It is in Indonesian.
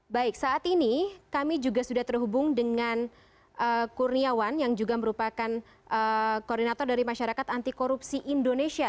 baik saat ini kami juga sudah terhubung dengan kurniawan yang juga merupakan koordinator dari masyarakat anti korupsi indonesia